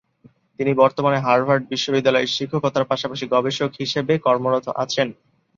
তিনি বর্তমানে হার্ভার্ড বিশ্ববিদ্যালয়ে শিক্ষকতার পাশাপাশি গবেষক হিসেবে কর্মরত আছেন।